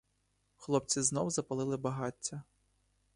Хлопці знов запалили багаття.